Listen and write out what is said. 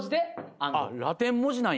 あっラテン文字なんや。